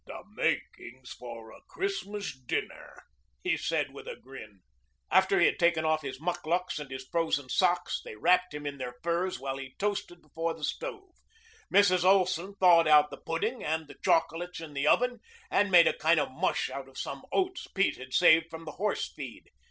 "The makings for a Christmas dinner," he said with a grin. After he had taken off his mukluks and his frozen socks they wrapped him in their furs while he toasted before the stove. Mrs. Olson thawed out the pudding and the chocolates in the oven and made a kind of mush out of some oats Pete had saved from the horse feed.